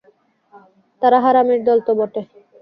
তারা হারামীর দল তো বটে।